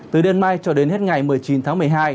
từ đêm mai cho đến hết ngày một mươi chín tháng một mươi hai